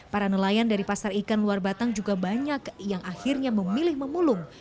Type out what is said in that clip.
para nelayan dari pasar ikan luar batang juga banyak yang akhirnya memilih memulung